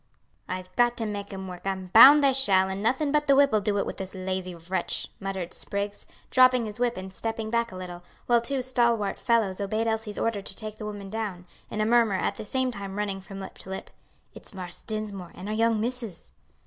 "I've got to make 'em work; I'm bound they shall, and nothing but the whip'll do it with this lazy wretch," muttered Spriggs, dropping his whip and stepping back a little, while two stalwart fellows obeyed Elsie's order to take the woman down, a murmur at the same time running from lip to lip, "It's Marse Dinsmore, and our young missus."